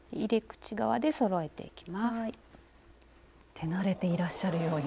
手慣れていらっしゃるように。